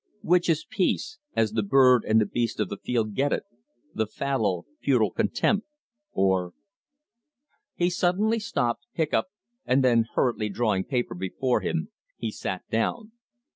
Which is peace as the bird and the beast of the field get it the fallow futile content, or " He suddenly stopped, hiccoughed, then hurriedly drawing paper before him, he sat down.